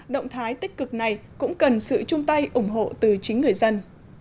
động thái tích cực này cũng cần sự chung tay ủng hộ từ chính người dân